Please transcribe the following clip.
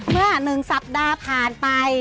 เมื่อหนึ่งสัปดาห์ผ่านไป